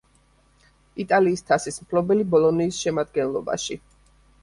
იტალიის თასის მფლობელი „ბოლონიის“ შემადგენლობაში.